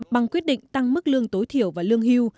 bằng quyết định tăng mức lương tối thiểu và lương hưu